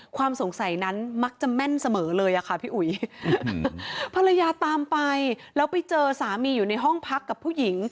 ความสงสัยนั้นมักจะแม่นเสมอเลยอะค่ะพี่อุ๋ยภรรยาตามไปแล้วไปเจอสามีอยู่ในห้องพักกับผู้หญิง